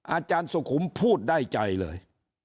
อาจารย์สุขุมพูดได้ใจเลย